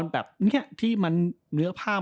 แบบนี้ที่มันเนื้อผ้า